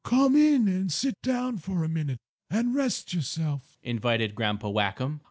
"Come in and sit down for a minute and rest yourself," invited Grandpa Whackum.